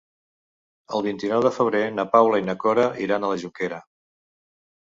El vint-i-nou de febrer na Paula i na Cora iran a la Jonquera.